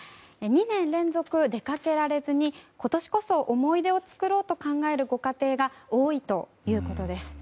２年連続出かけられずに今年こそ思い出を作ろうと考えるご家庭が多いということです。